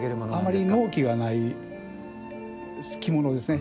あまり納期がない着物ですね。